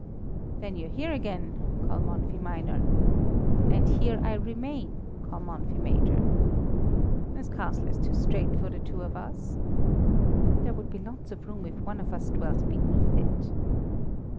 "Then you're here again, Kalmanffy minor?" "And here I remain, Kalmanffy major!" "This castle is too strait for the two of us." "There would be lots of room if one of us dwelt beneath it."